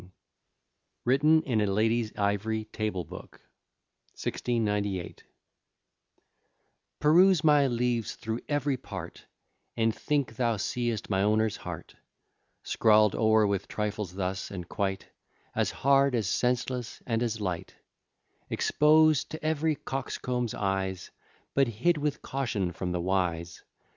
] WRITTEN IN A LADY'S IVORY TABLE BOOK, 1698 Peruse my leaves thro' ev'ry part, And think thou seest my owner's heart, Scrawl'd o'er with trifles thus, and quite As hard, as senseless, and as light; Expos'd to ev'ry coxcomb's eyes, But hid with caution from the wise.